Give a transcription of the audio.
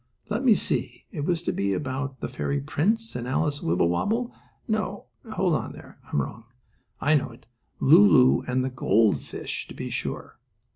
Let me see, it was to be about the fairy prince and Alice Wibblewobble no, hold on there, I'm wrong. I know it. Lulu and the gold fish; to be sure!